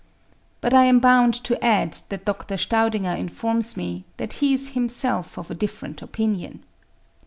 But I am bound to add that Dr. Staudinger informs me, that he is himself of a different opinion.